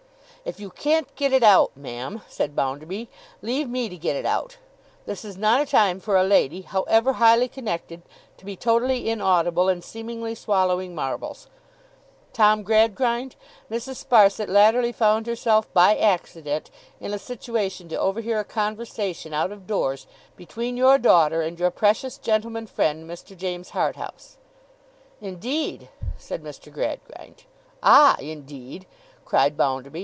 'If you can't get it out, ma'am,' said Bounderby, 'leave me to get it out. This is not a time for a lady, however highly connected, to be totally inaudible, and seemingly swallowing marbles. Tom Gradgrind, Mrs. Sparsit latterly found herself, by accident, in a situation to overhear a conversation out of doors between your daughter and your precious gentleman friend, Mr. James Harthouse.' 'Indeed!' said Mr. Gradgrind. 'Ah! Indeed!' cried Bounderby.